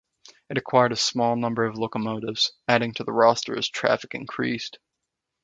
It acquired a number of small locomotives, adding to the roster as traffic increased.